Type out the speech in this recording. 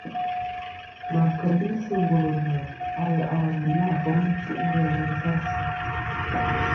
Ma keli sɨ wul vzɨ aleʼ a wu na boŋ chuʼ ghelɨ sa asɨ.